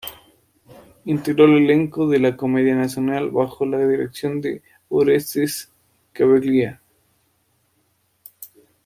Integró el elenco de la Comedia Nacional bajo la dirección de Orestes Caviglia.